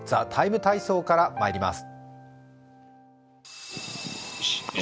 「ＴＨＥＴＩＭＥ，体操」からまいります。